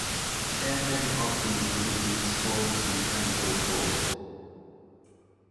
Chairmen of the Committees formed the Council's Board.